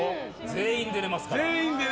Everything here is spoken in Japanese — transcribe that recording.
全員出れますから。